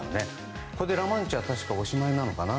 これで「ラ・マンチャ」はおしまいなのかな？